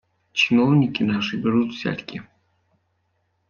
Чиновники наши берут взятки.